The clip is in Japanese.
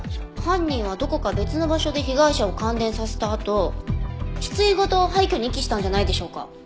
犯人はどこか別の場所で被害者を感電させたあと棺ごと廃虚に遺棄したんじゃないでしょうか。